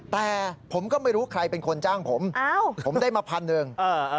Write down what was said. แต่ผมก็ไม่รู้ใครเป็นคนจ้างผมผมได้มาพันหนึ่ง